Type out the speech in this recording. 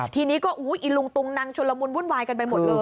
ทีนี้ก็อีลุงตุงนังชุลมุนวุ่นวายกันไปหมดเลย